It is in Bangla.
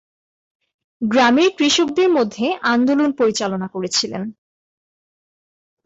গ্রামের কৃষকদের মধ্যে আন্দোলন পরিচালনা করেছিলেন।